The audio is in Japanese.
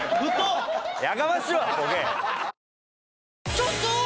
ちょっとー！